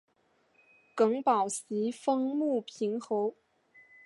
耿宝袭封牟平侯。